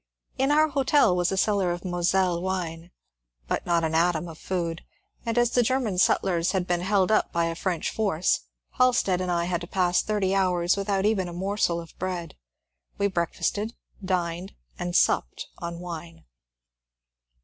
In our hotel was a cellar of Moselle wine, but not an atom of food, and as the German sutlers had been held up by a French force, Halstead and I had to pass thirty hours without even a morsel of bread. We breakfasted, dined, supped on wine.